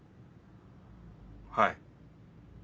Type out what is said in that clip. はい。